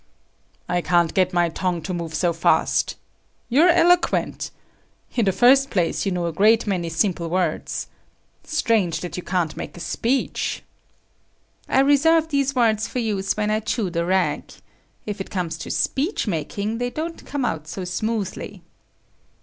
'" "I can't get my tongue to move so fast. You're eloquent. In the first place, you know a great many simple words. Strange that you can't make a speech." "I reserve these words for use when I chew the rag. If it comes to speech making, they don't come out so smoothly."